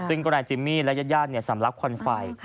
ซึ่งกรรมนาจิมมี่และญาติย่านสำรับควรไฟ